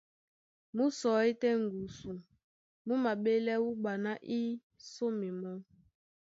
Mú sɔí tɛ́ ŋgusu, mú maɓélɛ́ wúɓa ná í sóme mɔ́.